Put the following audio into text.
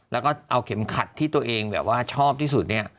แล้วก็เอาเข็มขัดที่ตัวเองแบบว่าชอบที่สุดเนี่ย